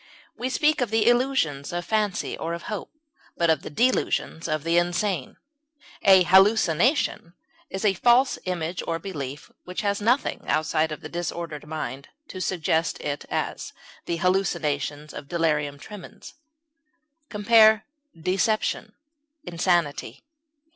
We speak of the illusions of fancy or of hope, but of the delusions of the insane. A hallucination is a false image or belief which has nothing, outside of the disordered mind, to suggest it; as, the hallucinations of delirium tremens. Compare DECEPTION; INSANITY.